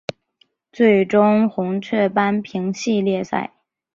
最终红雀扳平系列赛。